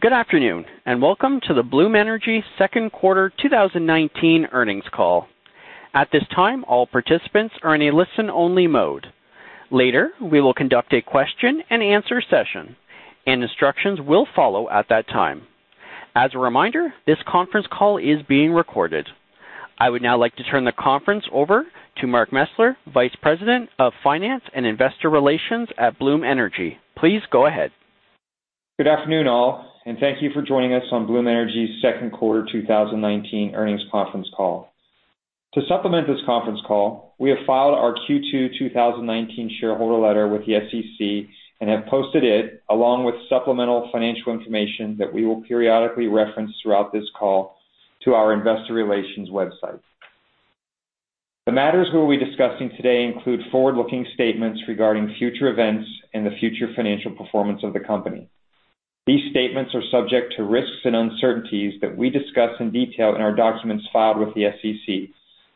Good afternoon, and welcome to the Bloom Energy second quarter 2019 earnings call. At this time, all participants are in a listen-only mode. Later, we will conduct a question and answer session, and instructions will follow at that time. As a reminder, this conference call is being recorded. I would now like to turn the conference over to Mark Mesler, Vice President of Finance and Investor Relations at Bloom Energy. Please go ahead. Good afternoon, all, and thank you for joining us on Bloom Energy's second quarter 2019 earnings conference call. To supplement this conference call, we have filed our Q2 2019 shareholder letter with the SEC and have posted it, along with supplemental financial information that we will periodically reference throughout this call to our investor relations website. The matters we will be discussing today include forward-looking statements regarding future events and the future financial performance of the company. These statements are subject to risks and uncertainties that we discuss in detail in our documents filed with the SEC,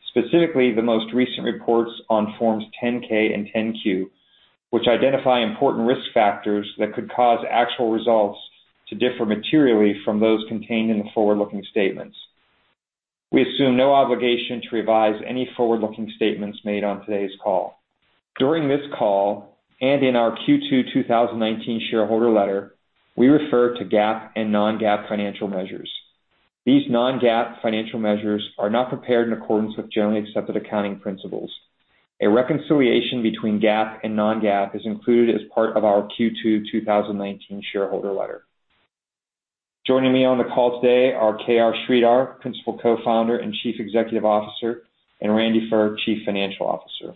specifically the most recent reports on Forms 10-K and 10-Q, which identify important risk factors that could cause actual results to differ materially from those contained in the forward-looking statements. We assume no obligation to revise any forward-looking statements made on today's call. During this call, and in our Q2 2019 shareholder letter, we refer to GAAP and non-GAAP financial measures. These non-GAAP financial measures are not prepared in accordance with generally accepted accounting principles. A reconciliation between GAAP and non-GAAP is included as part of our Q2 2019 shareholder letter. Joining me on the call today are KR Sridhar, Principal Co-founder and Chief Executive Officer, and Randy Furr, Chief Financial Officer.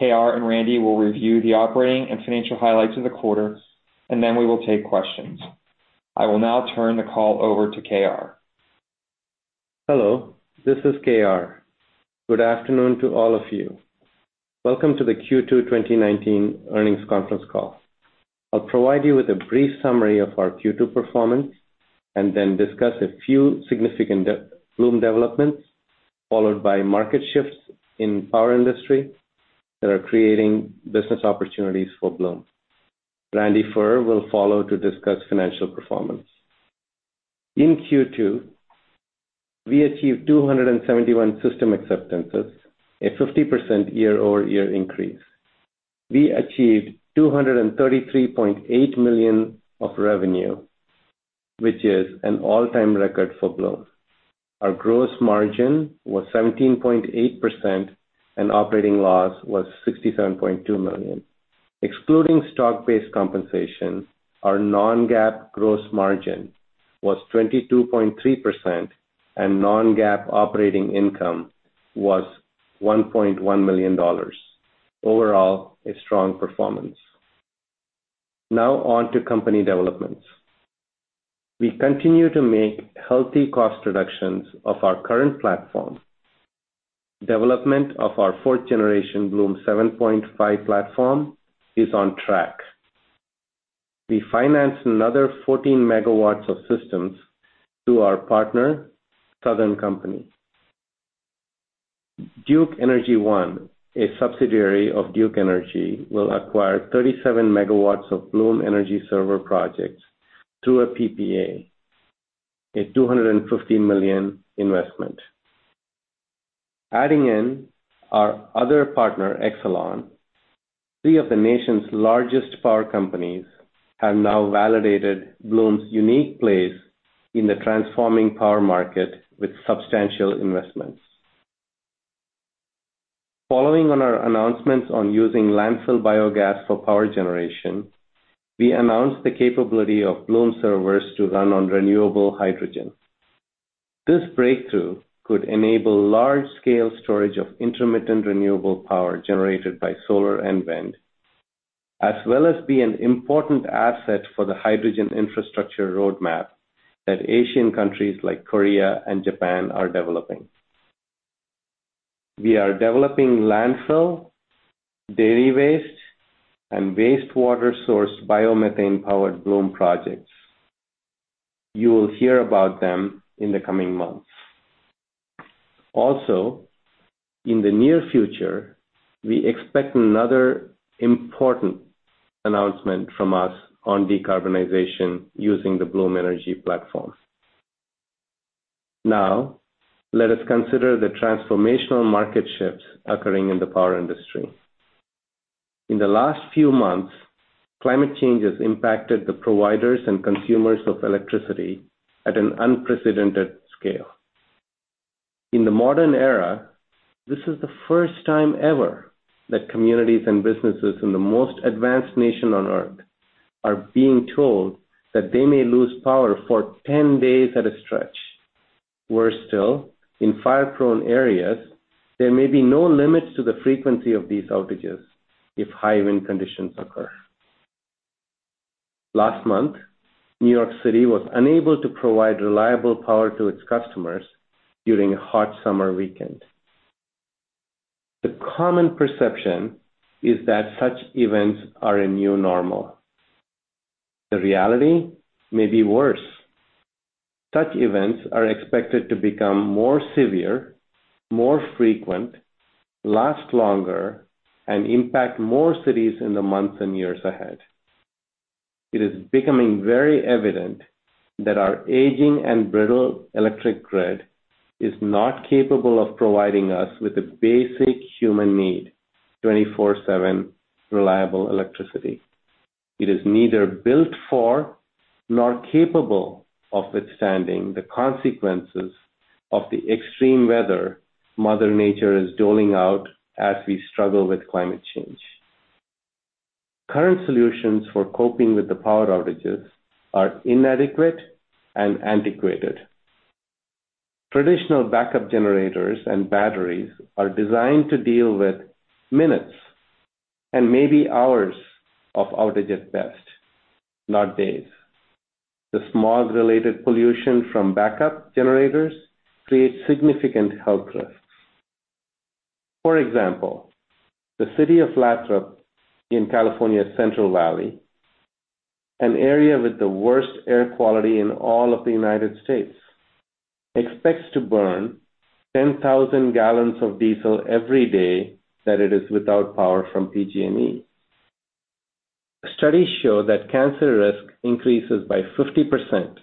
KR and Randy will review the operating and financial highlights of the quarter, and then we will take questions. I will now turn the call over to KR. Hello, this is KR. Good afternoon to all of you. Welcome to the Q2 2019 earnings conference call. I'll provide you with a brief summary of our Q2 performance and then discuss a few significant Bloom developments, followed by market shifts in power industry that are creating business opportunities for Bloom. Randy Furr will follow to discuss financial performance. In Q2, we achieved 271 system acceptances, a 50% year-over-year increase. We achieved $233.8 million of revenue, which is an all-time record for Bloom. Our gross margin was 17.8%, and operating loss was $67.2 million. Excluding stock-based compensation, our non-GAAP gross margin was 22.3%, and non-GAAP operating income was $1.1 million. Overall, a strong performance. On to company developments. We continue to make healthy cost reductions of our current platform. Development of our fourth generation Bloom 7.5 platform is on track. We financed another 14 megawatts of systems through our partner, Southern Company. Duke Energy One, a subsidiary of Duke Energy, will acquire 37 megawatts of Bloom Energy Server projects through a PPA, a $250 million investment. Adding in our other partner, Exelon, three of the nation's largest power companies have now validated Bloom's unique place in the transforming power market with substantial investments. Following on our announcements on using landfill biogas for power generation, we announced the capability of Bloom servers to run on renewable hydrogen. This breakthrough could enable large-scale storage of intermittent renewable power generated by solar and wind, as well as be an important asset for the hydrogen infrastructure roadmap that Asian countries like Korea and Japan are developing. We are developing landfill, dairy waste, and wastewater source biomethane powered Bloom projects. You will hear about them in the coming months. In the near future, we expect another important announcement from us on decarbonization using the Bloom Energy platform. Let us consider the transformational market shifts occurring in the power industry. In the last few months, climate change has impacted the providers and consumers of electricity at an unprecedented scale. In the modern era, this is the first time ever that communities and businesses in the most advanced nation on Earth are being told that they may lose power for 10 days at a stretch. Worse still, in fire-prone areas, there may be no limits to the frequency of these outages if high wind conditions occur. Last month, New York City was unable to provide reliable power to its customers during a hot summer weekend. The common perception is that such events are a new normal. The reality may be worse. Such events are expected to become more severe, more frequent, last longer, and impact more cities in the months and years ahead. It is becoming very evident that our aging and brittle electric grid is not capable of providing us with a basic human need, 24/7 reliable electricity. It is neither built for, nor capable of withstanding the consequences of the extreme weather Mother Nature is doling out as we struggle with climate change. Current solutions for coping with the power outages are inadequate and antiquated. Traditional backup generators and batteries are designed to deal with minutes, and maybe hours of outage at best, not days. The smog-related pollution from backup generators creates significant health risks. For example, the city of Lathrop in California's Central Valley, an area with the worst air quality in all of the U.S., expects to burn 10,000 gallons of diesel every day that it is without power from PG&E. Studies show that cancer risk increases by 50%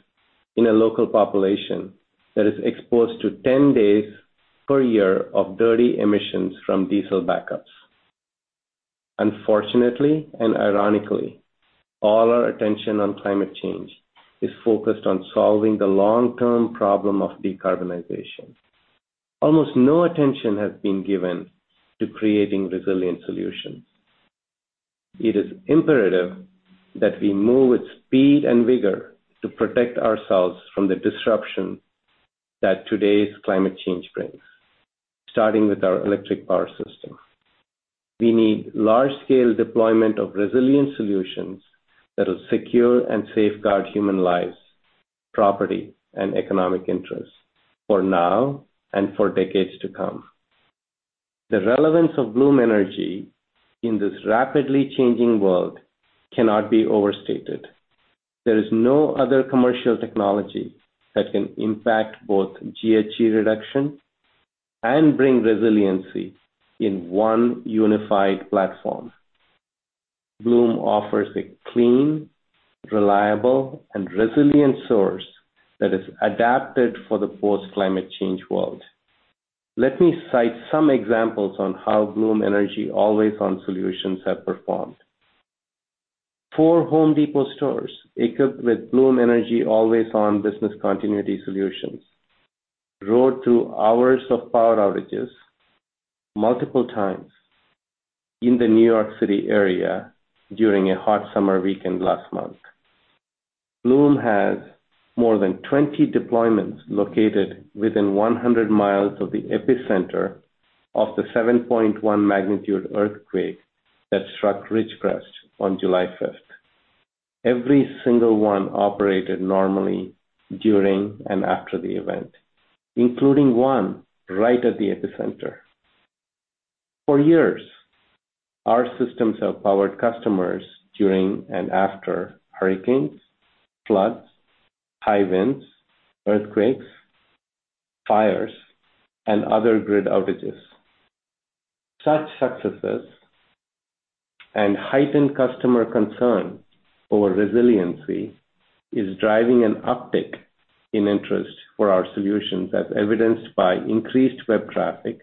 in a local population that is exposed to 10 days per year of dirty emissions from diesel backups. Unfortunately, and ironically, all our attention on climate change is focused on solving the long-term problem of decarbonization. Almost no attention has been given to creating resilient solutions. It is imperative that we move with speed and vigor to protect ourselves from the disruption that today's climate change brings, starting with our electric power system. We need large-scale deployment of resilient solutions that will secure and safeguard human lives, property, and economic interests for now and for decades to come. The relevance of Bloom Energy in this rapidly changing world cannot be overstated. There is no other commercial technology that can impact both GHG reduction and bring resiliency in one unified platform. Bloom offers a clean, reliable, and resilient source that is adapted for the post-climate change world. Let me cite some examples on how Bloom Energy always-on solutions have performed. Four Home Depot stores equipped with Bloom Energy always-on business continuity solutions rode through hours of power outages multiple times in the New York City area during a hot summer weekend last month. Bloom has more than 20 deployments located within 100 miles of the epicenter of the 7.1 magnitude earthquake that struck Ridgecrest on July 5th. Every single one operated normally during and after the event, including one right at the epicenter. For years, our systems have powered customers during and after hurricanes, floods, high winds, earthquakes, fires, and other grid outages. Such successes and heightened customer concern over resiliency is driving an uptick in interest for our solutions, as evidenced by increased web traffic,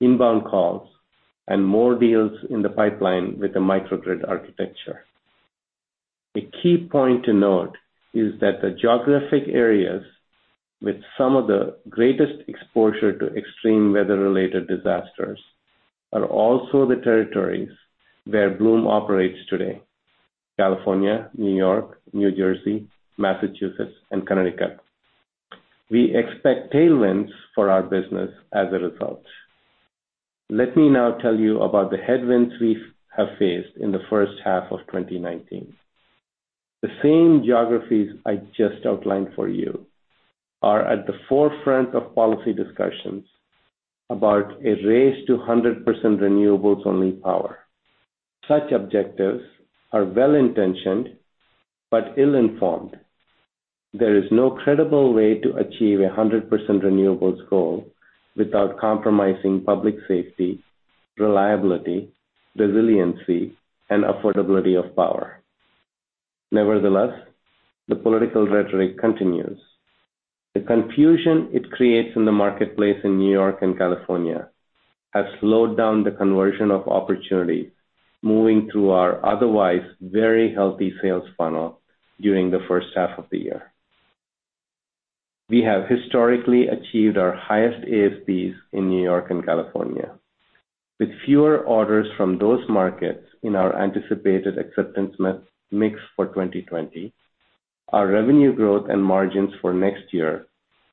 inbound calls, and more deals in the pipeline with the microgrid architecture. A key point to note is that the geographic areas with some of the greatest exposure to extreme weather-related disasters are also the territories where Bloom operates today: California, New York, New Jersey, Massachusetts, and Connecticut. We expect tailwinds for our business as a result. Let me now tell you about the headwinds we have faced in the first half of 2019. The same geographies I just outlined for you are at the forefront of policy discussions about a race to 100% renewables-only power. Such objectives are well-intentioned, but ill-informed. There is no credible way to achieve 100% renewables goal without compromising public safety, reliability, resiliency, and affordability of power. Nevertheless, the political rhetoric continues. The confusion it creates in the marketplace in New York and California has slowed down the conversion of opportunity moving through our otherwise very healthy sales funnel during the first half of the year. We have historically achieved our highest ASPs in New York and California. With fewer orders from those markets in our anticipated acceptance mix for 2020, our revenue growth and margins for next year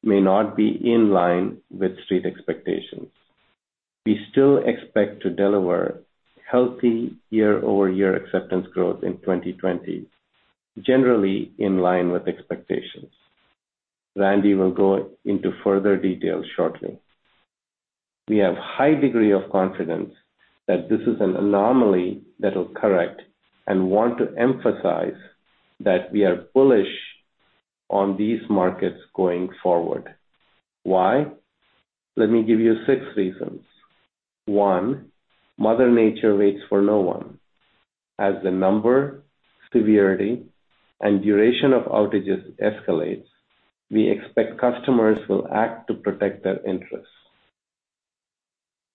may not be in line with street expectations. We still expect to deliver healthy year-over-year acceptance growth in 2020, generally in line with expectations. Randy will go into further detail shortly. We have high degree of confidence that this is an anomaly that will correct and want to emphasize that we are bullish on these markets going forward. Why. Let me give you six reasons. One, mother nature waits for no one. As the number, severity, and duration of outages escalates, we expect customers will act to protect their interests.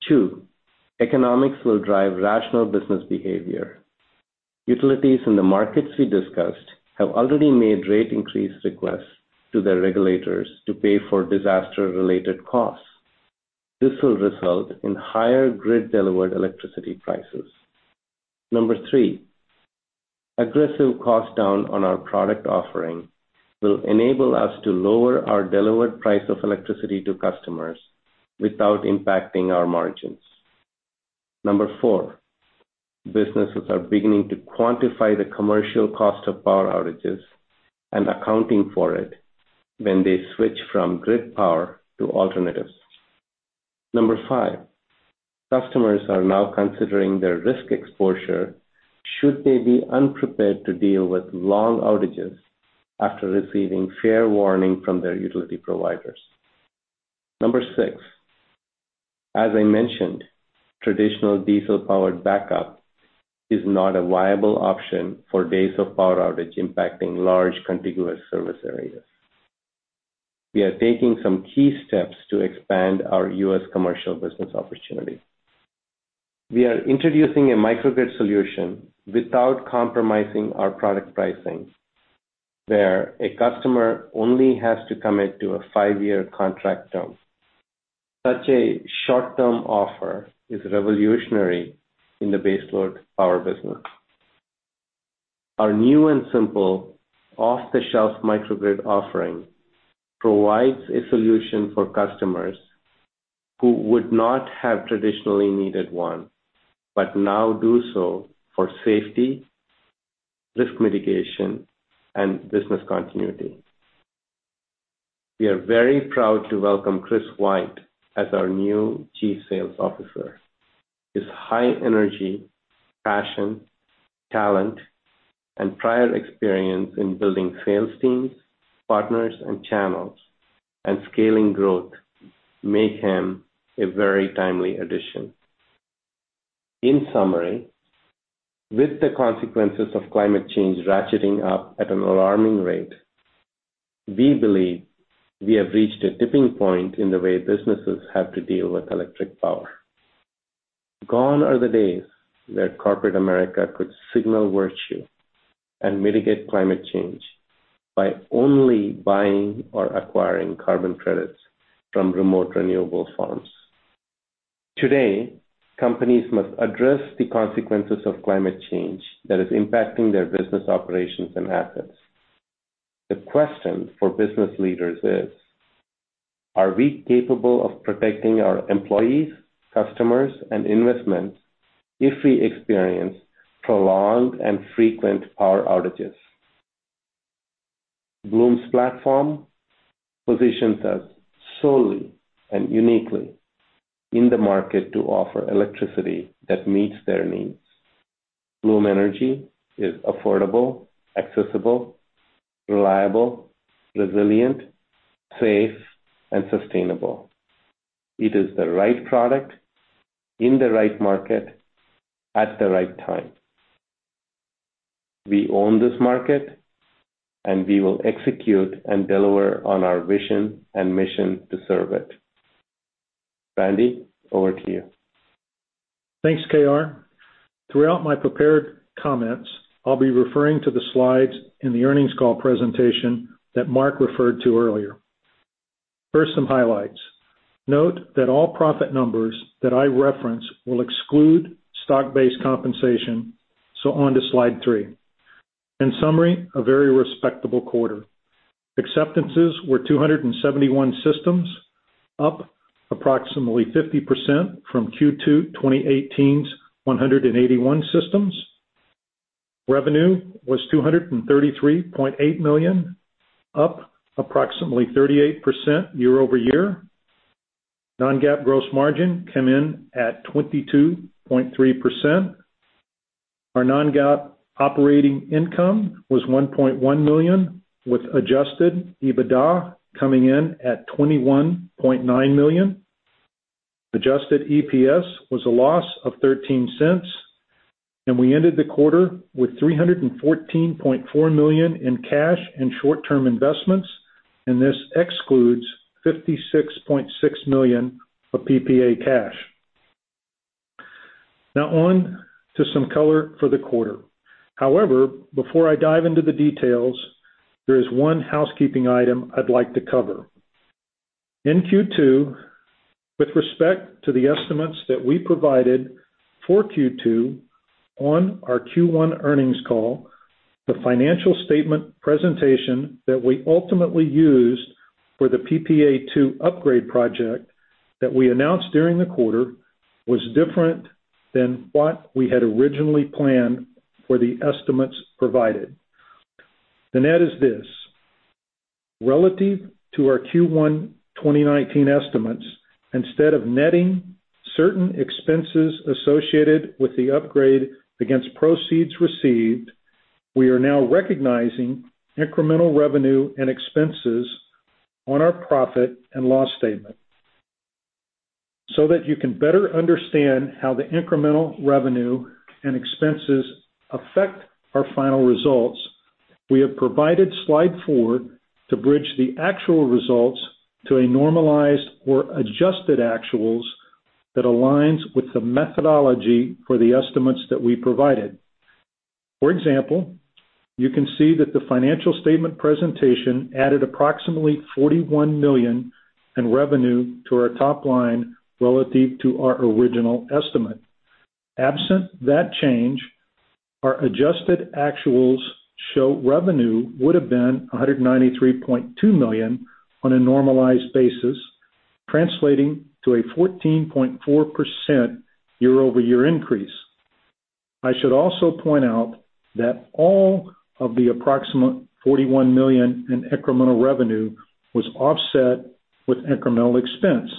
Two, economics will drive rational business behavior. Utilities in the markets we discussed have already made rate increase requests to their regulators to pay for disaster-related costs. This will result in higher grid-delivered electricity prices. Number three, aggressive cost down on our product offering will enable us to lower our delivered price of electricity to customers without impacting our margins. Number four, businesses are beginning to quantify the commercial cost of power outages and accounting for it when they switch from grid power to alternatives. Number five, customers are now considering their risk exposure should they be unprepared to deal with long outages after receiving fair warning from their utility providers. Number 6, as I mentioned, traditional diesel-powered backup is not a viable option for days of power outage impacting large contiguous service areas. We are taking some key steps to expand our U.S. commercial business opportunity. We are introducing a microgrid solution without compromising our product pricing, where a customer only has to commit to a 5-year contract term. Such a short-term offer is revolutionary in the baseload power business. Our new and simple off-the-shelf microgrid offering provides a solution for customers who would not have traditionally needed one, but now do so for safety, risk mitigation, and business continuity. We are very proud to welcome Chris White as our new Chief Sales Officer. His high energy, passion, talent, and prior experience in building sales teams, partners and channels, and scaling growth make him a very timely addition. In summary, with the consequences of climate change ratcheting up at an alarming rate, we believe we have reached a tipping point in the way businesses have to deal with electric power. Gone are the days where corporate America could signal virtue and mitigate climate change by only buying or acquiring carbon credits from remote renewable farms. Today, companies must address the consequences of climate change that is impacting their business operations and assets. The question for business leaders is: Are we capable of protecting our employees, customers, and investments if we experience prolonged and frequent power outages? Bloom's platform positions us solely and uniquely in the market to offer electricity that meets their needs. Bloom Energy is affordable, accessible, reliable, resilient, safe, and sustainable. It is the right product in the right market at the right time. We own this market. We will execute and deliver on our vision and mission to serve it. Randy, over to you. Thanks, KR. Throughout my prepared comments, I'll be referring to the slides in the earnings call presentation that Mark referred to earlier. First, some highlights. Note that all profit numbers that I reference will exclude stock-based compensation. On to slide three. In summary, a very respectable quarter. Acceptances were 271 systems, up approximately 50% from Q2 2018's 181 systems. Revenue was $233.8 million, up approximately 38% year-over-year. Non-GAAP gross margin came in at 22.3%. Our non-GAAP operating income was $1.1 million, with adjusted EBITDA coming in at $21.9 million. Adjusted EPS was a loss of $0.13. We ended the quarter with $314.4 million in cash and short-term investments, and this excludes $56.6 million of PPA cash. On to some color for the quarter. Before I dive into the details, there is one housekeeping item I'd like to cover. In Q2, with respect to the estimates that we provided for Q2 on our Q1 earnings call, the financial statement presentation that we ultimately used for the PPA-2 upgrade project that we announced during the quarter was different than what we had originally planned for the estimates provided. The net is this. Relative to our Q1 2019 estimates, instead of netting certain expenses associated with the upgrade against proceeds received, we are now recognizing incremental revenue and expenses on our profit and loss statement. That you can better understand how the incremental revenue and expenses affect our final results, we have provided slide four to bridge the actual results to a normalized or adjusted actuals that aligns with the methodology for the estimates that we provided. For example, you can see that the financial statement presentation added approximately $41 million in revenue to our top line relative to our original estimate. Absent that change, our adjusted actuals show revenue would've been $193.2 million on a normalized basis, translating to a 14.4% year-over-year increase. I should also point out that all of the approximate $41 million in incremental revenue was offset with incremental expense,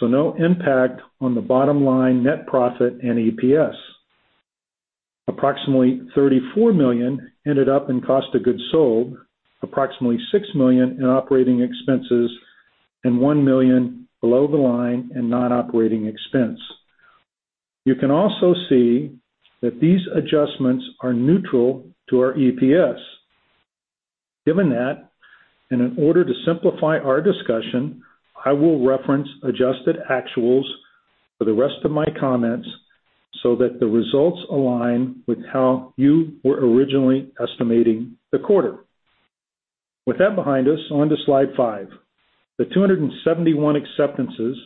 so no impact on the bottom line net profit and EPS. Approximately $34 million ended up in cost of goods sold, approximately $6 million in operating expenses, and $1 million below the line in non-operating expense. You can also see that these adjustments are neutral to our EPS. Given that, in order to simplify our discussion, I will reference adjusted actuals for the rest of my comments so that the results align with how you were originally estimating the quarter. With that behind us, on to slide five. The 271 acceptances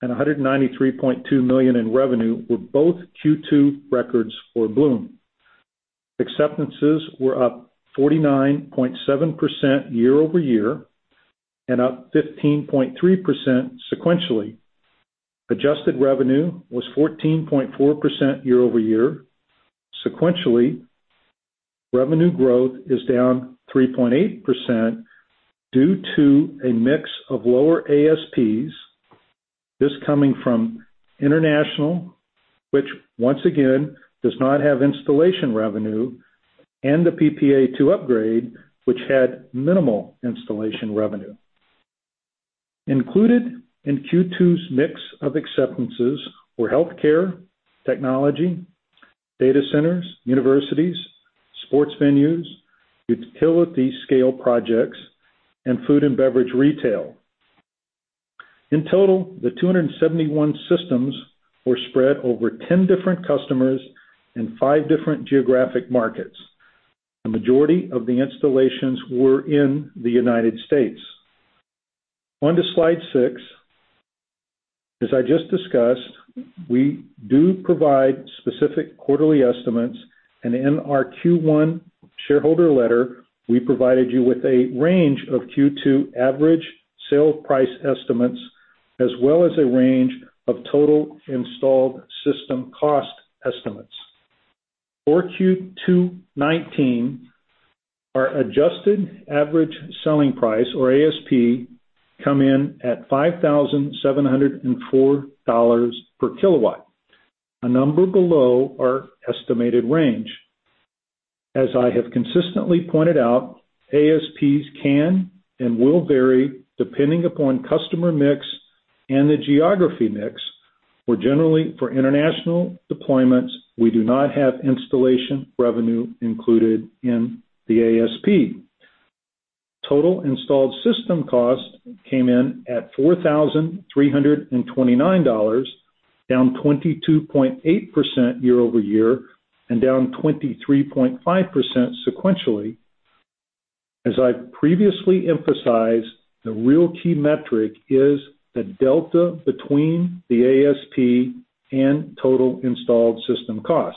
and $193.2 million in revenue were both Q2 records for Bloom. Acceptances were up 49.7% year-over-year and up 15.3% sequentially. Adjusted revenue was 14.4% year-over-year. Sequentially, revenue growth is down 3.8% due to a mix of lower ASPs, this coming from international, which once again does not have installation revenue, and the PPA-2 upgrade, which had minimal installation revenue. Included in Q2's mix of acceptances were healthcare, technology, data centers, universities, sports venues, utility scale projects, and food and beverage retail. In total, the 271 systems were spread over 10 different customers in five different geographic markets. The majority of the installations were in the United States. On to slide six. As I just discussed, we do provide specific quarterly estimates, and in our Q1 shareholder letter, we provided you with a range of Q2 average sale price estimates, as well as a range of total installed system cost estimates. For Q2 2019, our adjusted average selling price, or ASP, come in at $5,704 per kilowatt, a number below our estimated range. As I have consistently pointed out, ASPs can and will vary depending upon customer mix and the geography mix, where generally for international deployments, we do not have installation revenue included in the ASP. Total installed system cost came in at $4,329, down 22.8% year-over-year and down 23.5% sequentially. As I previously emphasized, the real key metric is the delta between the ASP and total installed system cost,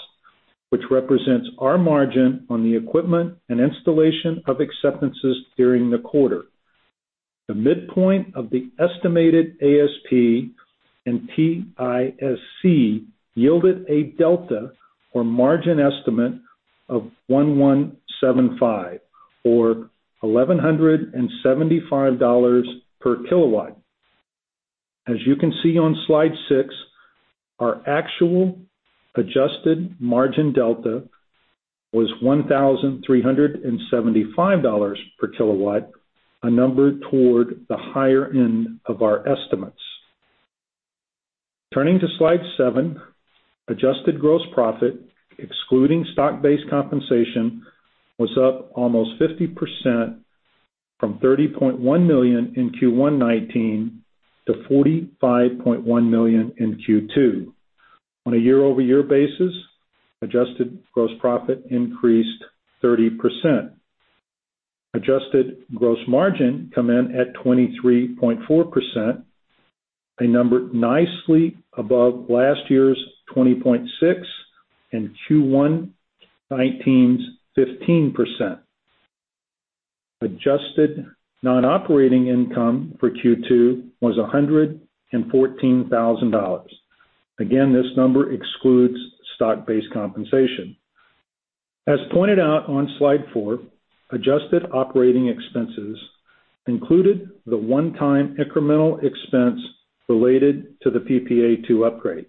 which represents our margin on the equipment and installation of acceptances during the quarter. The midpoint of the estimated ASP and TISC yielded a delta or margin estimate of $1,175, or $1,175 per kilowatt. As you can see on slide six, our actual adjusted margin delta was $1,375 per kilowatt, a number toward the higher end of our estimates. Turning to slide seven, adjusted gross profit, excluding stock-based compensation, was up almost 50%, from $30.1 million in Q1 2019 to $45.1 million in Q2. On a year-over-year basis, adjusted gross profit increased 30%. Adjusted gross margin come in at 23.4%, a number nicely above last year's 20.6% and Q1 2019's 15%. Adjusted non-operating income for Q2 was $114,000. Again, this number excludes stock-based compensation. As pointed out on slide four, adjusted operating expenses included the one-time incremental expense related to the PPA-2 upgrade.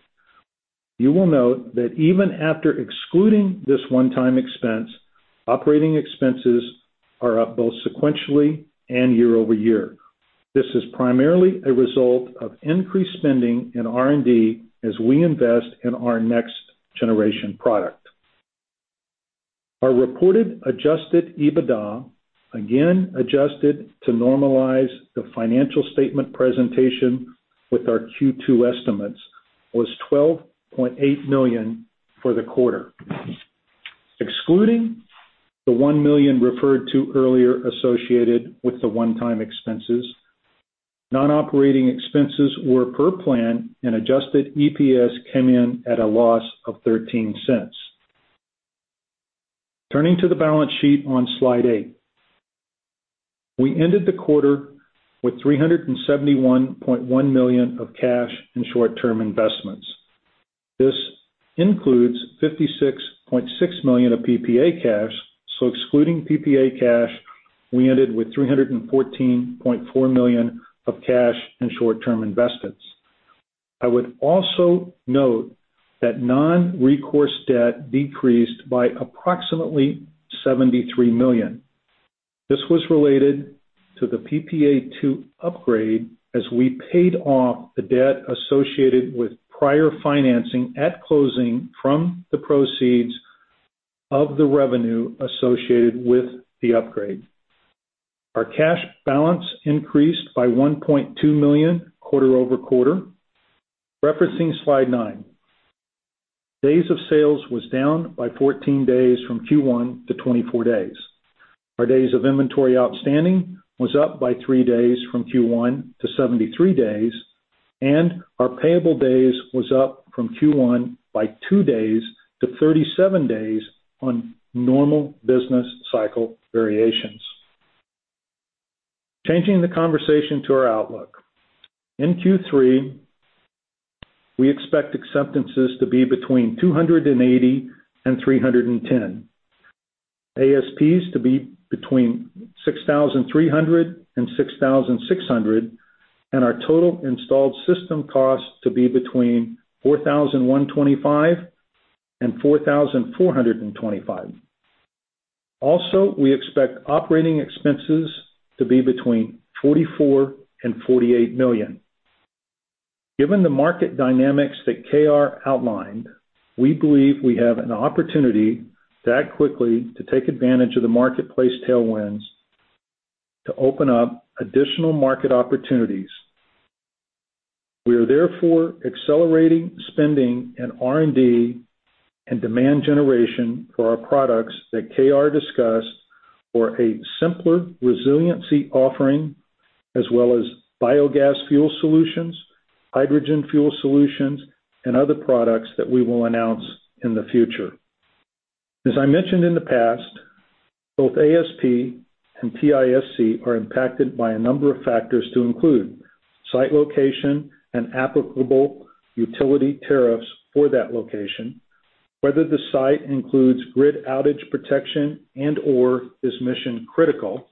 You will note that even after excluding this one-time expense, operating expenses are up both sequentially and year-over-year. This is primarily a result of increased spending in R&D as we invest in our next generation product. Our reported adjusted EBITDA, again adjusted to normalize the financial statement presentation with our Q2 estimates, was $12.8 million for the quarter. Excluding the $1 million referred to earlier associated with the one-time expenses, non-operating expenses were per plan and adjusted EPS came in at a loss of $0.13. Turning to the balance sheet on slide eight. We ended the quarter with $371.1 million of cash and short-term investments. This includes $56.6 million of PPA cash, so excluding PPA cash, we ended with $314.4 million of cash and short-term investments. I would also note that non-recourse debt decreased by approximately $73 million. This was related to the PPA-2 upgrade as we paid off the debt associated with prior financing at closing from the proceeds of the revenue associated with the upgrade. Our cash balance increased by $1.2 million quarter-over-quarter. Referencing slide nine. Days of sales was down by 14 days from Q1 to 24 days. Our days of inventory outstanding was up by three days from Q1 to 73 days. Our payable days was up from Q1 by two days to 37 days on normal business cycle variations. Changing the conversation to our outlook. In Q3, we expect acceptances to be between 280 and 310, ASPs to be between $6,300 and $6,600, and our total installed system cost to be between $4,125 and $4,425. Also, we expect operating expenses to be between $44 million and $48 million. Given the market dynamics that KR outlined, we believe we have an opportunity that quickly to take advantage of the marketplace tailwinds to open up additional market opportunities. We are therefore accelerating spending in R&D and demand generation for our products that KR discussed for a simpler resiliency offering, as well as biogas fuel solutions, hydrogen fuel solutions, and other products that we will announce in the future. As I mentioned in the past, both ASP and TISC are impacted by a number of factors to include site location and applicable utility tariffs for that location, whether the site includes grid outage protection and/or is mission-critical,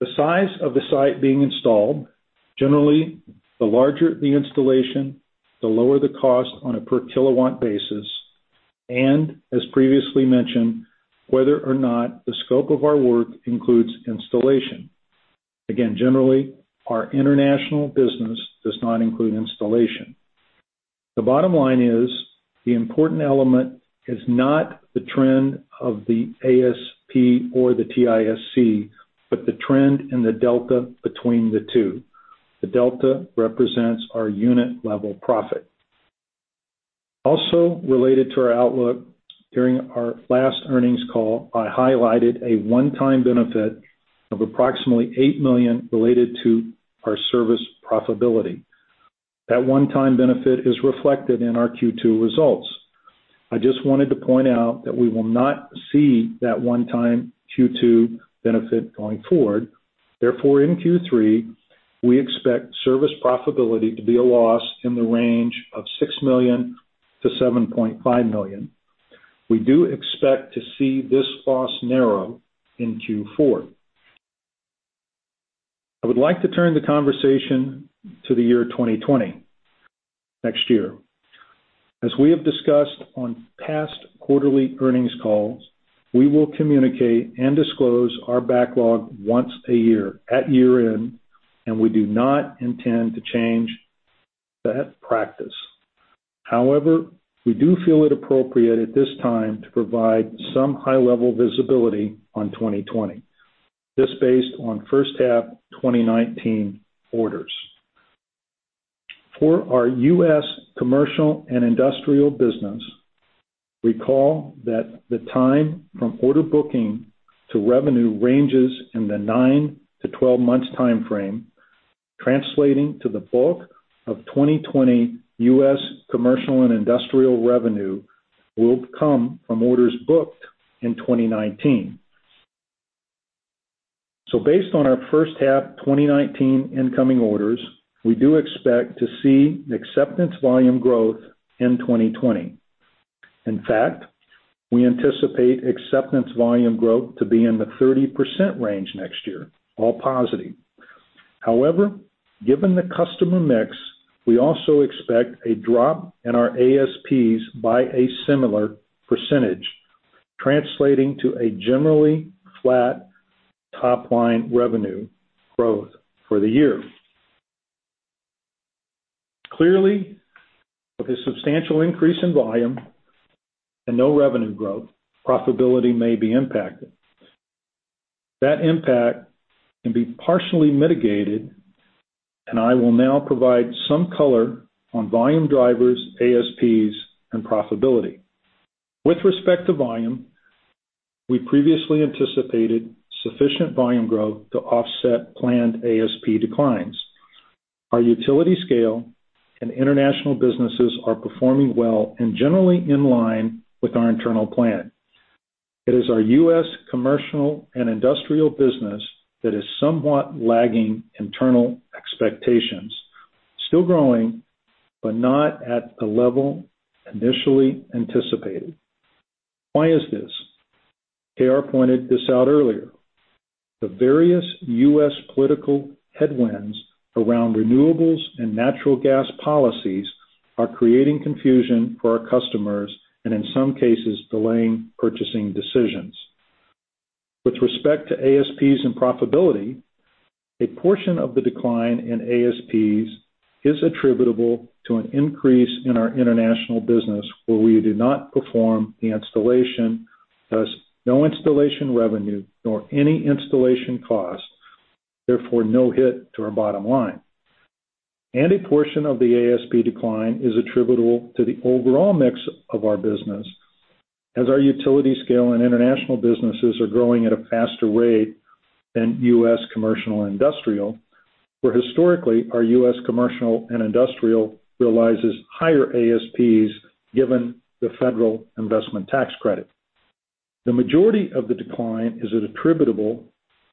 the size of the site being installed, generally, the larger the installation, the lower the cost on a per kilowatt basis, and as previously mentioned, whether or not the scope of our work includes installation. Again, generally, our international business does not include installation. The bottom line is the important element is not the trend of the ASP or the TISC, but the trend in the delta between the two. The delta represents our unit level profit. Also related to our outlook, during our last earnings call, I highlighted a one-time benefit of approximately $8 million related to our service profitability. That one-time benefit is reflected in our Q2 results. I just wanted to point out that we will not see that one-time Q2 benefit going forward. Therefore, in Q3, we expect service profitability to be a loss in the range of $6 million-$7.5 million. We do expect to see this loss narrow in Q4. I would like to turn the conversation to the year 2020, next year. As we have discussed on past quarterly earnings calls, we will communicate and disclose our backlog once a year at year-end, and we do not intend to change that practice. However, we do feel it appropriate at this time to provide some high-level visibility on 2020. This based on first half 2019 orders. For our U.S. commercial and industrial business, recall that the time from order booking to revenue ranges in the 9-12 months timeframe, translating to the bulk of 2020 U.S. commercial and industrial revenue will come from orders booked in 2019. Based on our first half 2019 incoming orders, we do expect to see acceptance volume growth in 2020. In fact, we anticipate acceptance volume growth to be in the 30% range next year, all positive. However, given the customer mix, we also expect a drop in our ASPs by a similar percentage, translating to a generally flat top-line revenue growth for the year. Clearly, with a substantial increase in volume and no revenue growth, profitability may be impacted. That impact can be partially mitigated, and I will now provide some color on volume drivers, ASPs, and profitability. With respect to volume, we previously anticipated sufficient volume growth to offset planned ASP declines. Our utility scale and international businesses are performing well and generally in line with our internal plan. It is our U.S. commercial and industrial business that is somewhat lagging internal expectations, still growing, but not at the level initially anticipated. Why is this? KR pointed this out earlier. The various U.S. political headwinds around renewables and natural gas policies are creating confusion for our customers and, in some cases, delaying purchasing decisions. With respect to ASPs and profitability, a portion of the decline in ASPs is attributable to an increase in our international business where we do not perform the installation, thus no installation revenue nor any installation cost, therefore no hit to our bottom line. A portion of the ASP decline is attributable to the overall mix of our business as our utility scale and international businesses are growing at a faster rate than U.S. commercial and industrial, where historically, our U.S. commercial and industrial realizes higher ASPs given the federal investment tax credit. The majority of the decline is attributable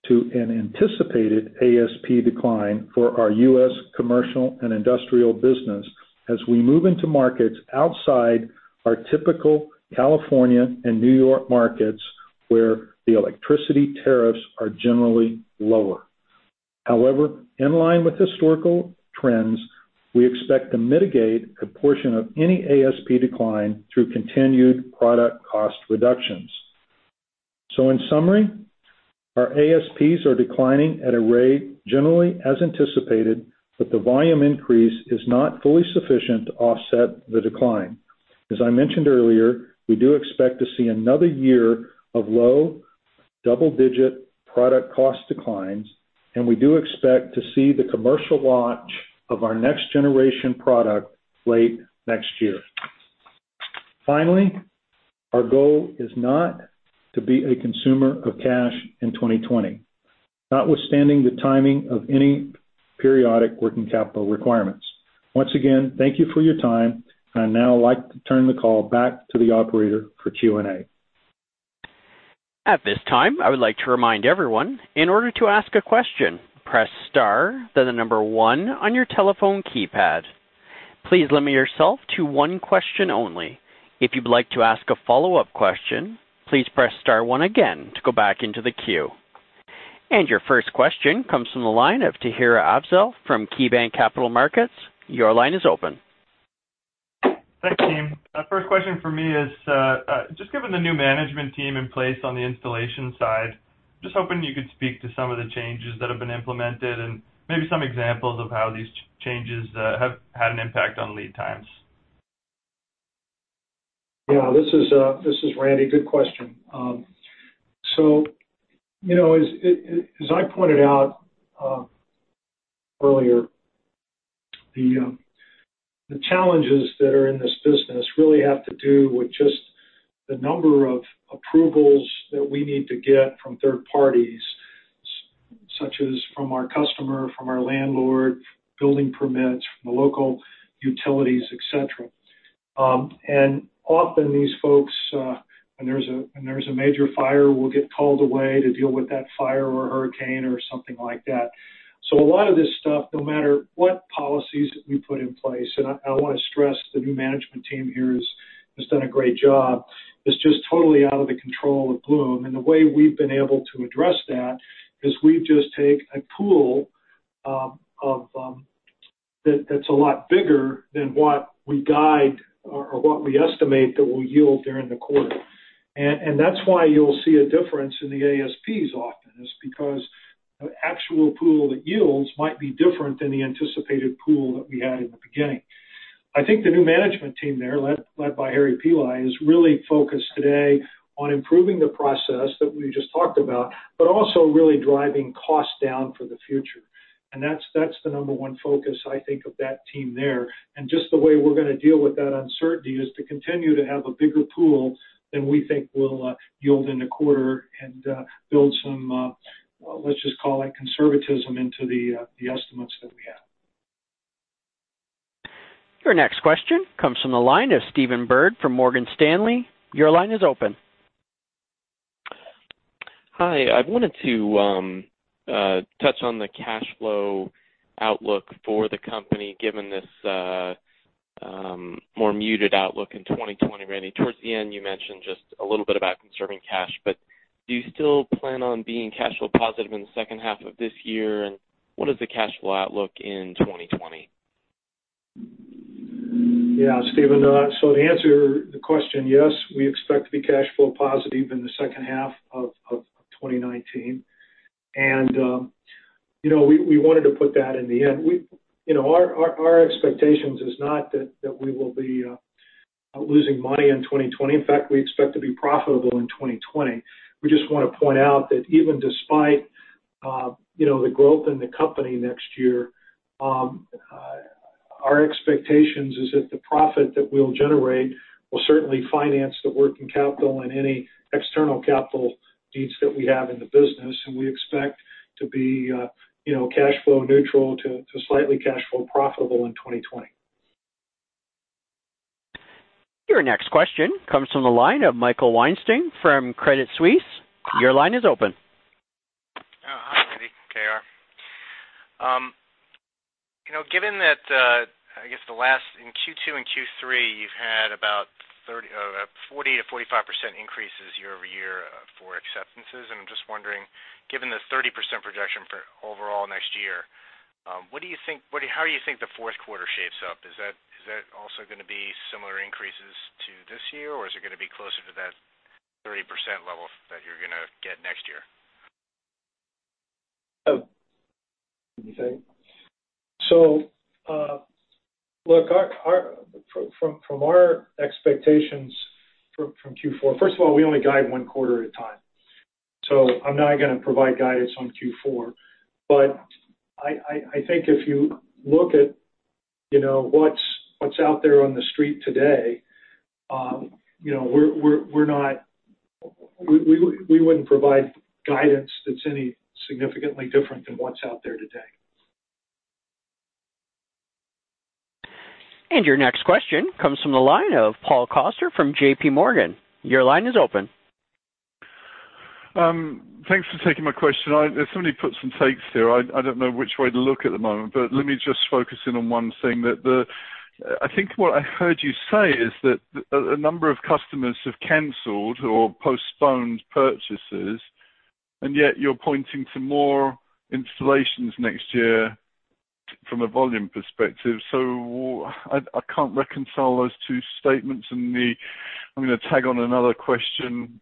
to an anticipated ASP decline for our U.S. commercial and industrial business as we move into markets outside our typical California and New York markets, where the electricity tariffs are generally lower. In line with historical trends, we expect to mitigate a portion of any ASP decline through continued product cost reductions. In summary, our ASPs are declining at a rate generally as anticipated, but the volume increase is not fully sufficient to offset the decline. As I mentioned earlier, we do expect to see another year of low double-digit product cost declines, and we do expect to see the commercial launch of our next-generation product late next year. Finally, our goal is not to be a consumer of cash in 2020, notwithstanding the timing of any periodic working capital requirements. Once again, thank you for your time. I'd now like to turn the call back to the operator for Q&A. At this time, I would like to remind everyone, in order to ask a question, press star, then the number one on your telephone keypad. Please limit yourself to one question only. If you'd like to ask a follow-up question, please press star one again to go back into the queue. Your first question comes from the line of Tahira Afzal from KeyBanc Capital Markets. Your line is open. Thanks, team. First question from me is, just given the new management team in place on the installation side, just hoping you could speak to some of the changes that have been implemented and maybe some examples of how these changes have had an impact on lead times. Yeah, this is Randy. Good question. As I pointed out earlier, the challenges that are in this business really have to do with just the number of approvals that we need to get from third parties, such as from our customer, from our landlord, building permits from the local utilities, etcetera. Often these folks, when there's a major fire, will get called away to deal with that fire or hurricane or something like that. A lot of this stuff, no matter what policies we put in place, and I want to stress the new management team here has done a great job, is just totally out of the control of Bloom. The way we've been able to address that is we just take a pool that's a lot bigger than what we guide or what we estimate that we'll yield during the quarter. That's why you'll see a difference in the ASPs often, is because the actual pool that yields might be different than the anticipated pool that we had in the beginning. I think the new management team there, led by Hari Pillai, is really focused today on improving the process that we just talked about, but also really driving costs down for the future. That's the number one focus, I think, of that team there. Just the way we're going to deal with that uncertainty is to continue to have a bigger pool than we think will yield in a quarter and build some, let's just call it conservatism into the estimates there. Your next question comes from the line of Stephen Byrd from Morgan Stanley. Your line is open. Hi. I wanted to touch on the cash flow outlook for the company, given this more muted outlook in 2020, Randy. Towards the end, you mentioned just a little bit about conserving cash, do you still plan on being cash flow positive in the second half of this year? What is the cash flow outlook in 2020? Stephen. To answer the question, yes, we expect to be cash flow positive in the second half of 2019. We wanted to put that in the end. Our expectations is not that we will be losing money in 2020. In fact, we expect to be profitable in 2020. We just want to point out that even despite the growth in the company next year, our expectations is that the profit that we'll generate will certainly finance the working capital and any external capital needs that we have in the business. We expect to be cash flow neutral to slightly cash flow profitable in 2020. Your next question comes from the line of Michael Weinstein from Credit Suisse. Your line is open. Hi, Randy, KR. Given that, in Q2 and Q3, you've had about 40%-45% increases year-over-year for acceptances, I'm just wondering, given the 30% projection for overall next year, how do you think the fourth quarter shapes up? Is that also going to be similar increases to this year, or is it going to be closer to that 30% level that you're going to get next year? Can you say it? Look, from our expectations from Q4, first of all, we only guide one quarter at a time. I'm not going to provide guidance on Q4. I think if you look at what's out there on the street today, we wouldn't provide guidance that's any significantly different than what's out there today. Your next question comes from the line of Paul Coster from JP Morgan. Your line is open. Thanks for taking my question. There's so many puts and takes here, I don't know which way to look at the moment, but let me just focus in on one thing. I think what I heard you say is that a number of customers have canceled or postponed purchases, and yet you're pointing to more installations next year from a volume perspective. I can't reconcile those two statements. I'm going to tag on another question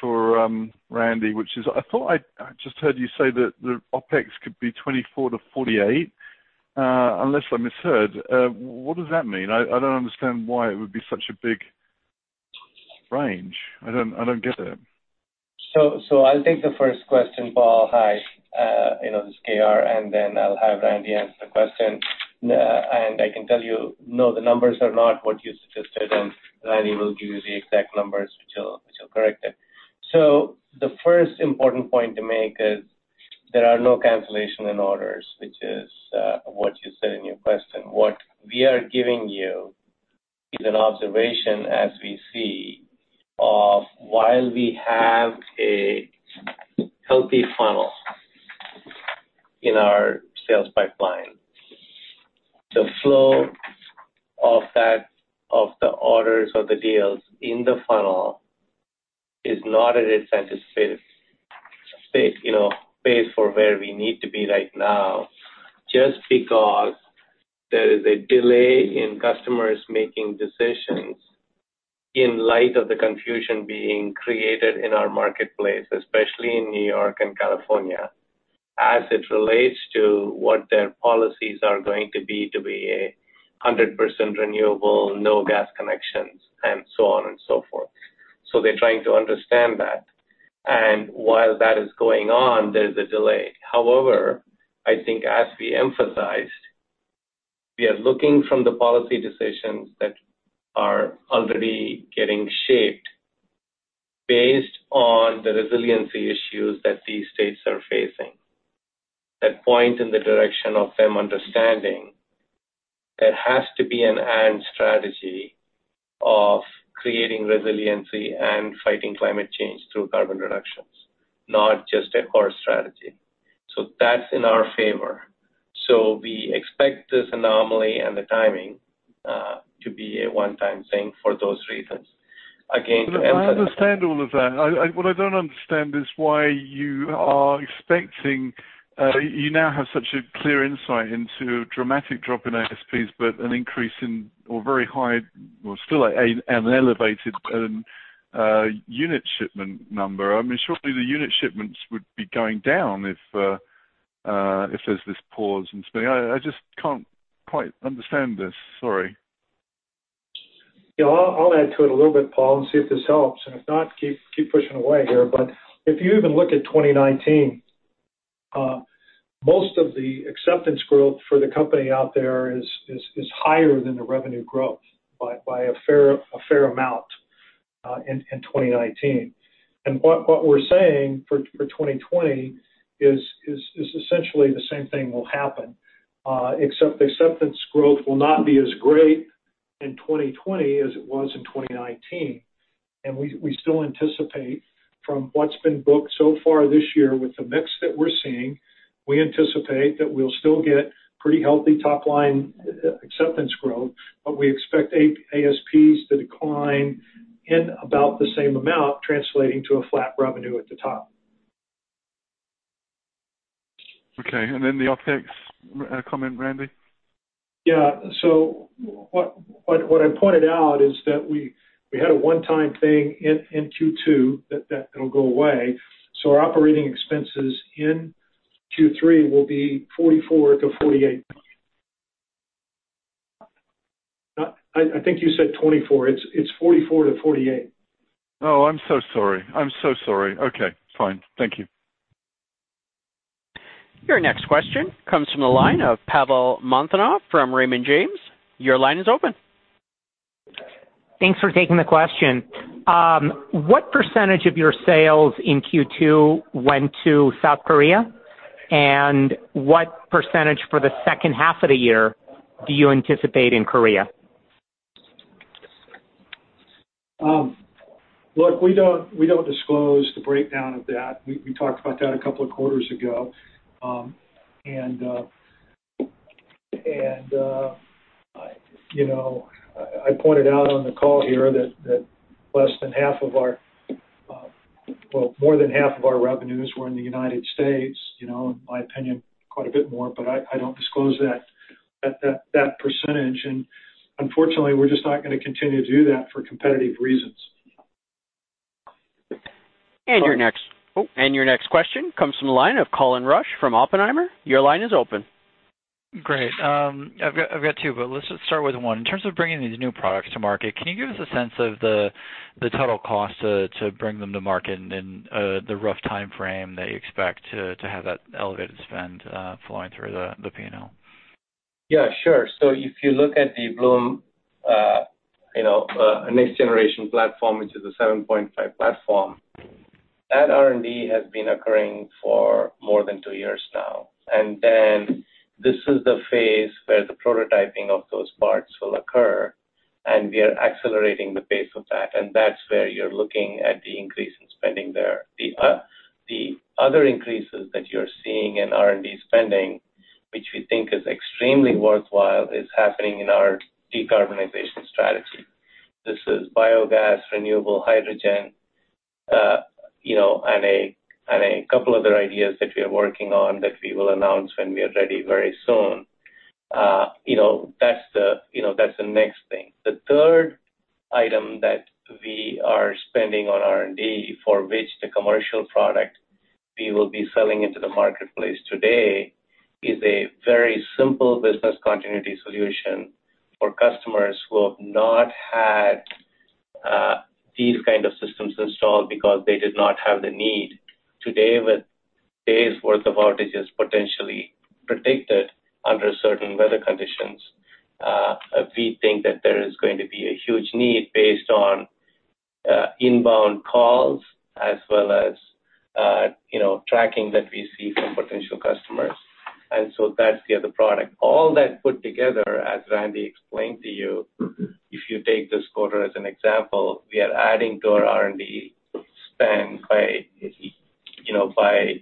for Randy, which is, I thought I just heard you say that the OPEX could be 24 to 48, unless I misheard. What does that mean? I don't understand why it would be such a big range. I don't get it. I'll take the first question, Paul. Hi, this is KR, and then I'll have Randy answer the question. I can tell you, no, the numbers are not what you suggested, and Randy will give you the exact numbers, which will correct it. The first important point to make is there are no cancellations in orders, which is what you said in your question. What we are giving you is an observation as we see of while we have a healthy funnel in our sales pipeline, the flow of the orders or the deals in the funnel is not at a satisfactory pace for where we need to be right now, just because there is a delay in customers making decisions in light of the confusion being created in our marketplace, especially in New York and California, as it relates to what their policies are going to be to be 100% renewable, no gas connections, and so on and so forth. They're trying to understand that. While that is going on, there's a delay. However, I think as we emphasized, we are looking from the policy decisions that are already getting shaped based on the resiliency issues that these states are facing. That point in the direction of them understanding it has to be an "and" strategy of creating resiliency and fighting climate change through carbon reductions, not just a core strategy. That's in our favor. We expect this anomaly and the timing to be a one-time thing for those reasons. Look, I understand all of that. What I don't understand is why you are expecting, you now have such a clear insight into a dramatic drop in ASPs, but an increase in, or very high, or still an elevated unit shipment number. Surely the unit shipments would be going down if there's this pause in spending. I just can't quite understand this. Sorry. I'll add to it a little bit, Paul, and see if this helps. If not, keep pushing away here. If you even look at 2019, most of the acceptance growth for the company out there is higher than the revenue growth by a fair amount in 2019. What we're saying for 2020 is essentially the same thing will happen, except acceptance growth will not be as great in 2020 as it was in 2019. We still anticipate from what's been booked so far this year with the mix that we're seeing, we anticipate that we'll still get pretty healthy top-line acceptance growth, but we expect ASPs to decline in about the same amount, translating to a flat revenue at the top. Okay. Then the OpEx comment, Randy? What I pointed out is that we had a one-time thing in Q2 that'll go away. Our operating expenses in Q3 will be $44-$48. I think you said $24. It's $44-$48. Oh, I'm so sorry. Okay, fine. Thank you. Your next question comes from the line of Pavel Molchanov from Raymond James. Your line is open. Thanks for taking the question. What percentage of your sales in Q2 went to South Korea, and what percentage for the second half of the year do you anticipate in Korea? Look, we don't disclose the breakdown of that. We talked about that a couple of quarters ago. I pointed out on the call here that more than half of our revenues were in the United States. In my opinion, quite a bit more, but I don't disclose that percentage. Unfortunately, we're just not going to continue to do that for competitive reasons. Your next question comes from the line of Colin Rusch from Oppenheimer. Your line is open. Great. I've got two, but let's just start with one. In terms of bringing these new products to market, can you give us a sense of the total cost to bring them to market and the rough timeframe that you expect to have that elevated spend flowing through the P&L? Sure. If you look at the Bloom next generation platform, which is a 7.5 platform, that R&D has been occurring for more than two years now. This is the phase where the prototyping of those parts will occur. We are accelerating the pace of that. That's where you're looking at the increase in spending there. The other increases that you're seeing in R&D spending, which we think is extremely worthwhile, is happening in our decarbonization strategy. This is biogas, renewable hydrogen, and a couple other ideas that we are working on that we will announce when we are ready very soon. That's the next thing. The third item that we are spending on R&D, for which the commercial product we will be selling into the marketplace today, is a very simple business continuity solution for customers who have not had these kind of systems installed because they did not have the need. Today, with days worth of outages potentially predicted under certain weather conditions, we think that there is going to be a huge need based on inbound calls as well as tracking that we see from potential customers. That's the other product. All that put together, as Randy explained to you, if you take this quarter as an example, we are adding to our R&D spend by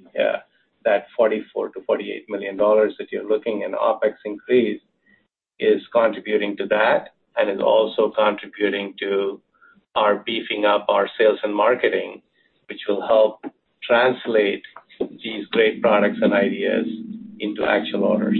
that $44 million-$48 million that you're looking in OpEx increase, is contributing to that and is also contributing to our beefing up our sales and marketing, which will help translate these great products and ideas into actual orders.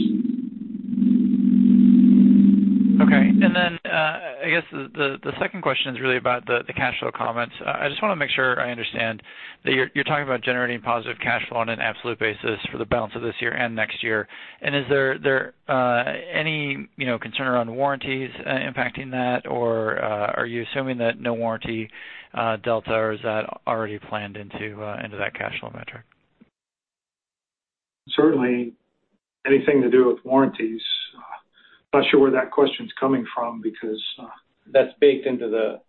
Okay. I guess the second question is really about the cash flow comments. I just want to make sure I understand that you're talking about generating positive cash flow on an absolute basis for the balance of this year and next year. Is there any concern around warranties impacting that, or are you assuming that no warranty delta, or is that already planned into that cash flow metric? Certainly anything to do with warranties, not sure where that question's coming from. That's baked into the-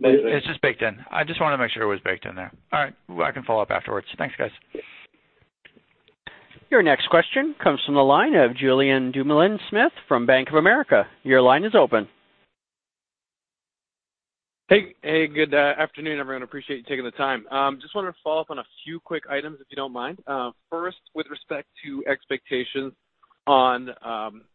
It's just baked in. I just wanted to make sure it was baked in there. All right. Well, I can follow up afterwards. Thanks, guys. Your next question comes from the line of Julien Dumoulin-Smith from Bank of America. Your line is open. Hey, good afternoon, everyone. Appreciate you taking the time. Just wanted to follow up on a few quick items, if you don't mind. First, with respect to expectations on,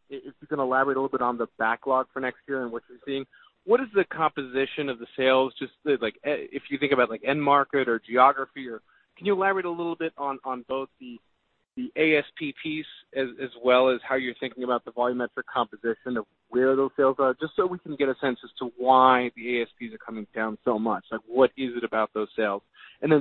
if you can elaborate a little bit on the backlog for next year and what you're seeing. What is the composition of the sales, just if you think about end market or geography? Can you elaborate a little bit on both the ASP piece as well as how you're thinking about the volume at the composition of where those sales are, just so we can get a sense as to why the ASPs are coming down so much. What is it about those sales?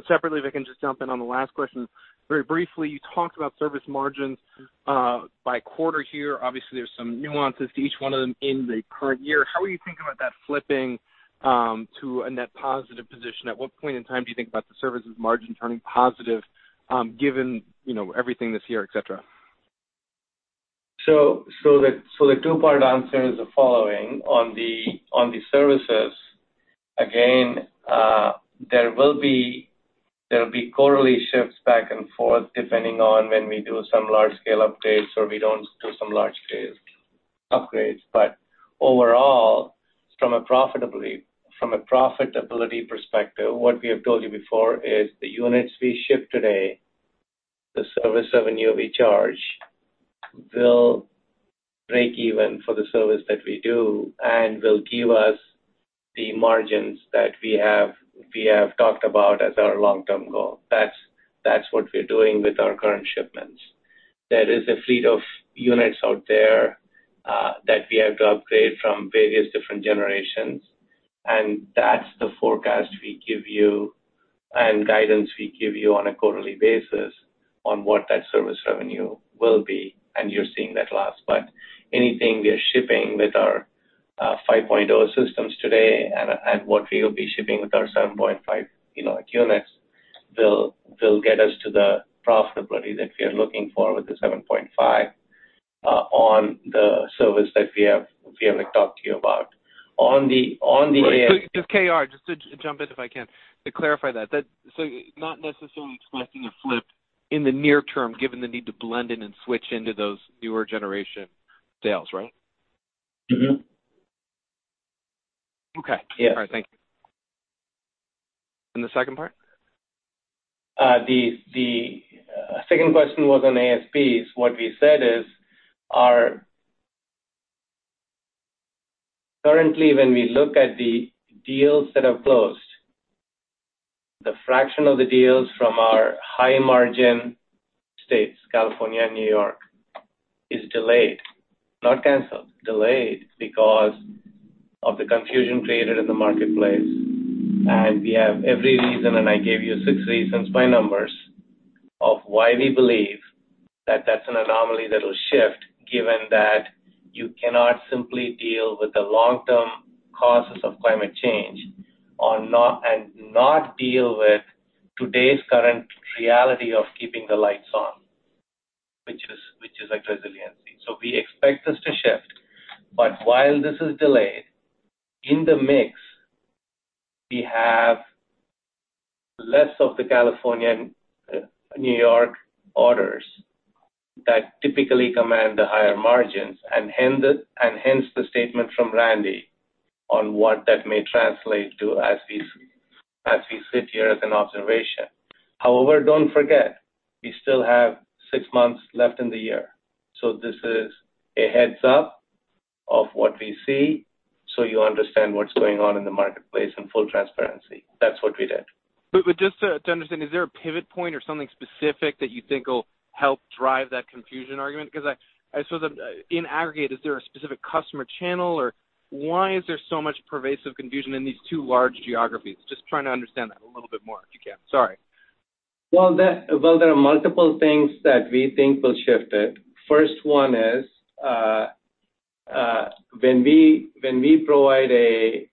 Separately, if I can just jump in on the last question very briefly. You talked about service margins by quarter here. Obviously, there's some nuances to each one of them in the current year. How are you thinking about that flipping to a net positive position? At what point in time do you think about the services margin turning positive given everything this year, et cetera? The two-part answer is the following. On the services, again, there will be quarterly shifts back and forth depending on when we do some large-scale updates or we don't do some large-scale upgrades. Overall, from a profitability perspective, what we have told you before is the units we ship today, the service revenue we charge, will break even for the service that we do and will give us the margins that we have talked about as our long-term goal. That's what we're doing with our current shipments. There is a fleet of units out there that we have to upgrade from various different generations, and that's the forecast we give you and guidance we give you on a quarterly basis on what that service revenue will be, and you're seeing that last. Anything we are shipping with our 5.0 systems today and what we will be shipping with our 7.5 units will get us to the profitability that we are looking for with the 7.5 on the service that we have talked to you about. Just KR, just to jump in if I can, to clarify that. Not necessarily twisting or flip in the near term, given the need to blend in and switch into those newer generation sales, right? Okay. Yes. All right. Thank you. The second part? The second question was on ASPs. What we said is, currently, when we look at the deals that have closed, the fraction of the deals from our high-margin states, California and New York, is delayed. Not canceled, delayed, because of the confusion created in the marketplace. We have every reason, and I gave you six reasons by numbers, of why we believe that that's an anomaly that'll shift, given that you cannot simply deal with the long-term causes of climate change and not deal with today's current reality of keeping the lights on, which is a resiliency. We expect this to shift. While this is delayed, in the mix, we have less of the California and New York orders that typically command the higher margins, and hence the statement from Randy on what that may translate to as we sit here as an observation. Don't forget, we still have six months left in the year. This is a heads-up of what we see, so you understand what's going on in the marketplace in full transparency. That's what we did. Just to understand, is there a pivot point or something specific that you think will help drive that confusion argument? In aggregate, is there a specific customer channel, or why is there so much pervasive confusion in these two large geographies? Just trying to understand that a little bit more, if you can. Sorry. Well, there are multiple things that we think will shift it. First one is, when we provide a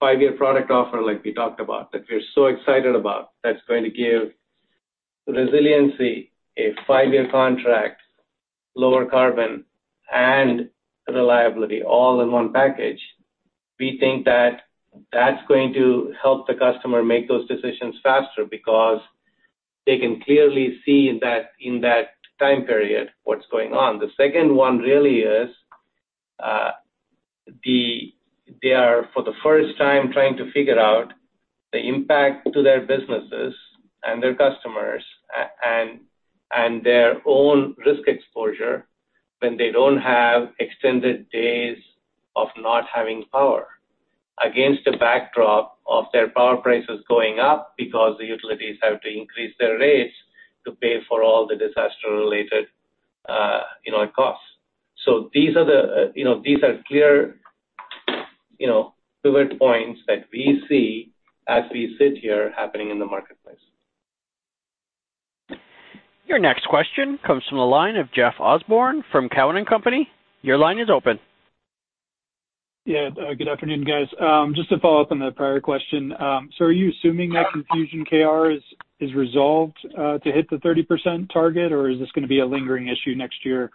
five-year product offer like we talked about, that we're so excited about, that's going to give resiliency, a five-year contract, lower carbon, and reliability all in one package. We think that that's going to help the customer make those decisions faster because they can clearly see in that time period what's going on. The second one really is, they are, for the first time, trying to figure out the impact to their businesses and their customers and their own risk exposure when they don't have extended days of not having power. Against the backdrop of their power prices going up because the utilities have to increase their rates to pay for all the disaster-related costs. These are clear pivot points that we see as we sit here happening in the marketplace. Your next question comes from the line of Jeff Osborne from Cowen and Company. Your line is open. Good afternoon, guys. Just to follow up on the prior question. Are you assuming that confusion, KR, is resolved to hit the 30% target, or is this going to be a lingering issue next year?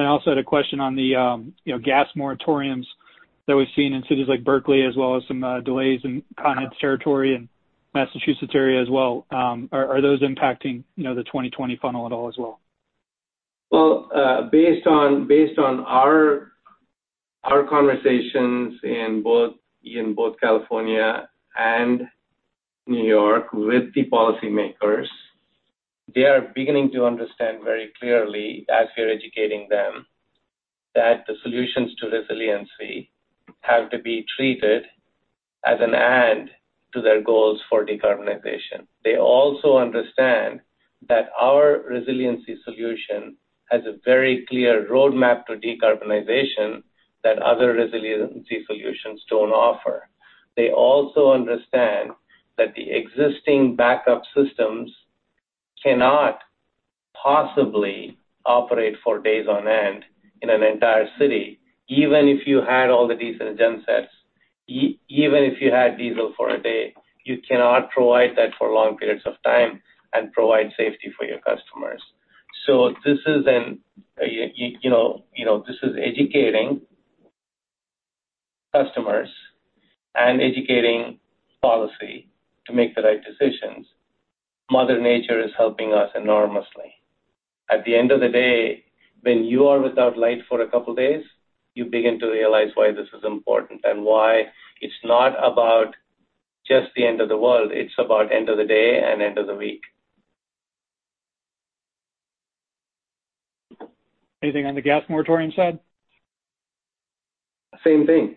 I also had a question on the gas moratoriums that we've seen in cities like Berkeley as well as some delays in Con Edison's territory and Massachusetts area as well. Are those impacting the 2020 funnel at all as well? Well, based on our conversations in both California and New York with the policymakers, they are beginning to understand very clearly, as we're educating them, that the solutions to resiliency have to be treated as an add to their goals for decarbonization. They also understand that our resiliency solution has a very clear roadmap to decarbonization that other resiliency solutions don't offer. They also understand that the existing backup systems cannot possibly operate for days on end in an entire city, even if you had diesel for a day, you cannot provide that for long periods of time and provide safety for your customers. This is educating customers and educating policy to make the right decisions. Mother Nature is helping us enormously. At the end of the day, when you are without light for a couple of days, you begin to realize why this is important and why it's not about just the end of the world, it's about end of the day and end of the week. Anything on the gas moratorium side? Same thing.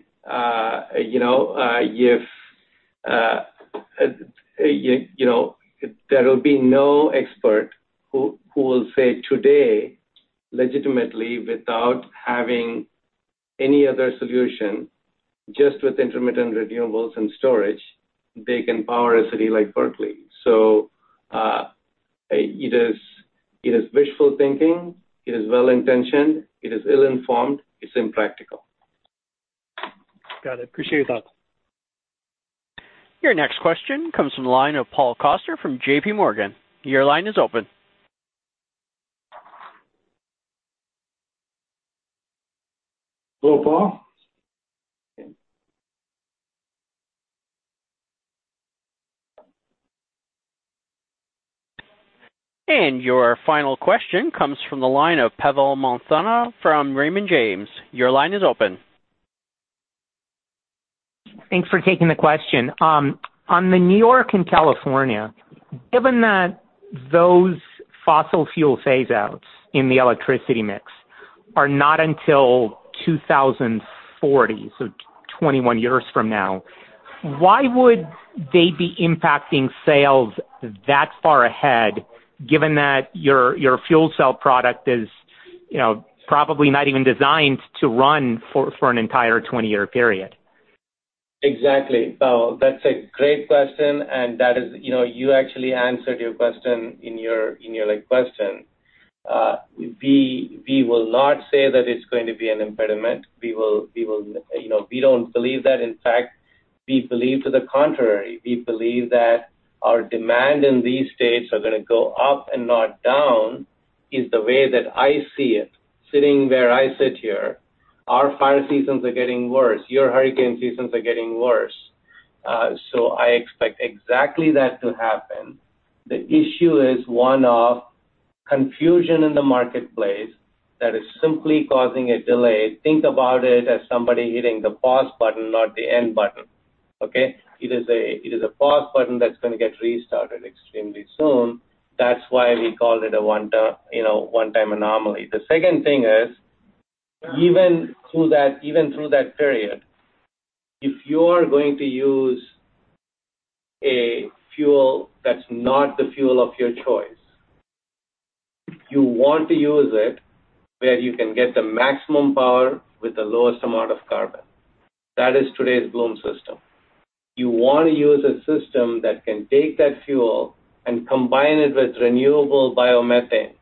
There will be no expert who will say today, legitimately, without having any other solution, just with intermittent renewables and storage, they can power a city like Berkeley. It is wishful thinking, it is well-intentioned, it is ill-informed, it's impractical. Got it. Appreciate your thoughts. Your next question comes from the line of Paul Coster from JP Morgan. Your line is open. Hello, Paul. Your final question comes from the line of Pavel Molchanov from Raymond James. Your line is open. Thanks for taking the question. On the New York and California, given that those fossil fuel phase outs in the electricity mix are not until 2040, so 21 years from now, why would they be impacting sales that far ahead, given that your fuel cell product is probably not even designed to run for an entire 20-year period? Exactly, Pavel. That's a great question. You actually answered your question in your question. We will not say that it's going to be an impediment. We don't believe that. In fact, we believe to the contrary. We believe that our demand in these states are going to go up and not down, is the way that I see it. Sitting where I sit here, our fire seasons are getting worse. Your hurricane seasons are getting worse. I expect exactly that to happen. The issue is one of confusion in the marketplace that is simply causing a delay. Think about it as somebody hitting the pause button, not the end button. Okay? It is a pause button that's going to get restarted extremely soon. That's why we called it a one-time anomaly. The second thing is, even through that period, if you're going to use a fuel that's not the fuel of your choice, you want to use it where you can get the maximum power with the lowest amount of carbon. That is today's Bloom system. You want to use a system that can take that fuel and combine it with renewable biomethane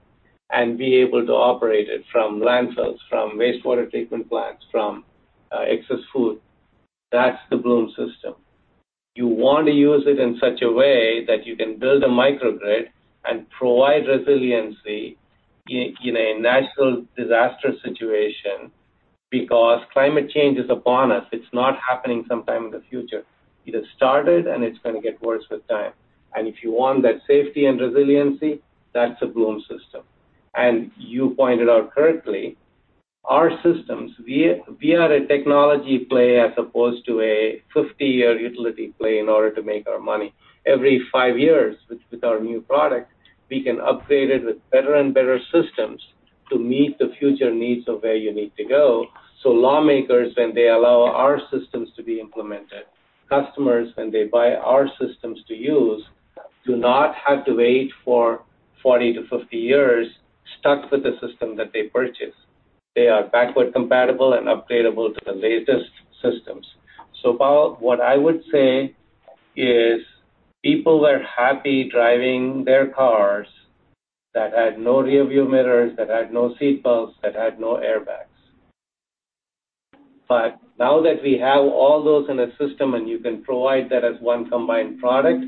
and be able to operate it from landfills, from wastewater treatment plants, from excess food. That's the Bloom system. You want to use it in such a way that you can build a microgrid and provide resiliency in a natural disaster situation because climate change is upon us. It's not happening sometime in the future. It has started, and it's going to get worse with time. If you want that safety and resiliency, that's a Bloom system. You pointed out correctly, our systems, we are a technology play as opposed to a 50-year utility play in order to make our money. Every five years with our new product, we can update it with better and better systems to meet the future needs of where you need to go. Lawmakers, when they allow our systems to be implemented, customers, when they buy our systems to use, do not have to wait for 40 to 50 years stuck with the system that they purchase. They are backward compatible and updateable to the latest systems. Pavel, what I would say is people were happy driving their cars that had no rearview mirrors, that had no seat belts, that had no airbags. Now that we have all those in a system and you can provide that as one combined product,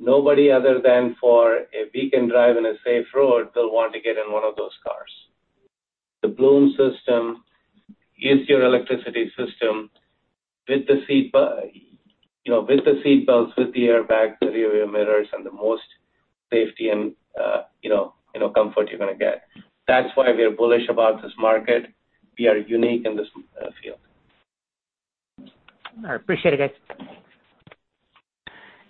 nobody, other than for if we can drive in a safe road, they'll want to get in one of those cars. The Bloom system is your electricity system with the seat belts, with the airbags, the rearview mirrors, and the most safety and comfort you're going to get. That's why we are bullish about this market. We are unique in this field. All right. Appreciate it, guys.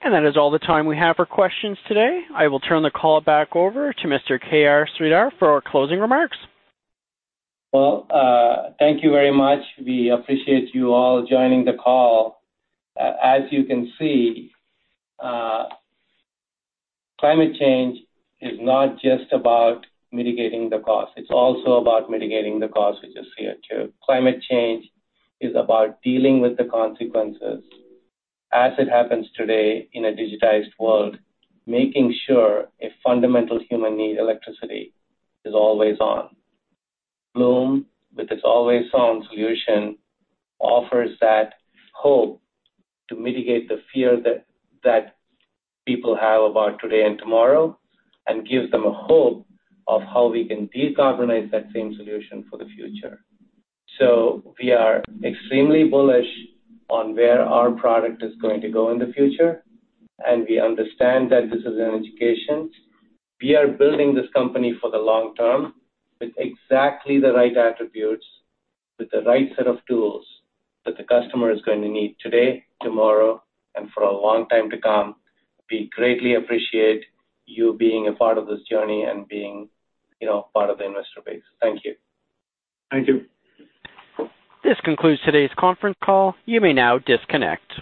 That is all the time we have for questions today. I will turn the call back over to Mr. KR Sridhar for our closing remarks. Well, thank you very much. We appreciate you all joining the call. As you can see, climate change is not just about mitigating the cost, it's also about mitigating the cost, which is CO2. Climate change is about dealing with the consequences as it happens today in a digitized world, making sure a fundamental human need, electricity, is always on. Bloom, with its always on solution, offers that hope to mitigate the fear that people have about today and tomorrow, and gives them a hope of how we can decarbonize that same solution for the future. We are extremely bullish on where our product is going to go in the future, and we understand that this is an education. We are building this company for the long term with exactly the right attributes, with the right set of tools that the customer is going to need today, tomorrow, and for a long time to come. We greatly appreciate you being a part of this journey and being part of the investor base. Thank you. Thank you. This concludes today's conference call. You may now disconnect.